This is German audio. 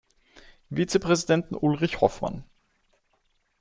Vizepräsidenten Ulrich Hofmann.